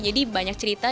jadi banyak cerita